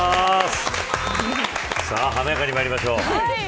華やかにまいりましょう。